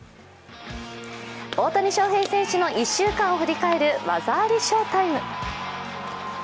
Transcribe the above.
大谷翔平選手の１週間を振り返る「技ありＳＨＯＷ−ＴＩＭＥ」。